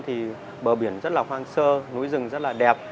thì bờ biển rất là khoang sơ núi rừng rất là đẹp